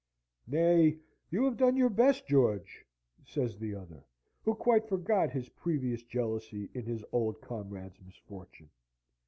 "Nay, you have done your best, George," says the other, who quite forgot his previous jealousy in his old comrade's misfortune.